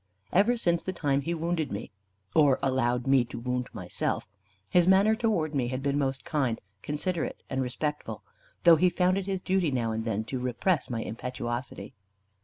Ever since the time he wounded me, or allowed me to wound myself, his manner towards me had been most kind, considerate, and respectful; though he found it his duty now and then to repress my impetuosity.